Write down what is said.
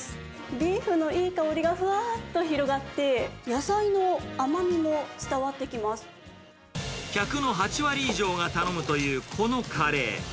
ビーフのいい香りがふわーっと広がって、野菜の甘みも伝わってき客の８割以上が頼むというこのカレー。